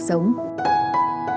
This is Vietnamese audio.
và chúng tôi đã phát động